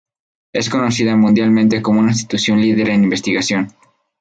Es conocida mundialmente como una institución líder en investigación.